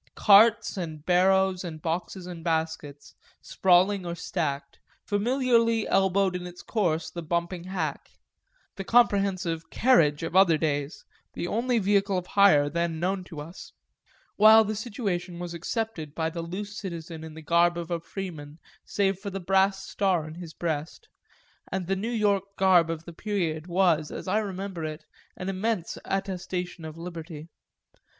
Carts and barrows and boxes and baskets, sprawling or stacked, familiarly elbowed in its course the bumping hack (the comprehensive "carriage" of other days, the only vehicle of hire then known to us) while the situation was accepted by the loose citizen in the garb of a freeman save for the brass star on his breast and the New York garb of the period was, as I remember it, an immense attestation of liberty.